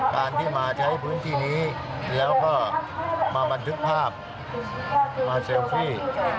การที่มาใช้พื้นที่นี้แล้วก็มาบันทึกภาพมาเซลฟี่